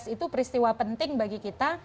dua ribu sembilan belas itu peristiwa penting bagi kita